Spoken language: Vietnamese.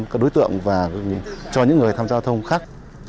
các đối tượng và cho những người tham gia giao thông khác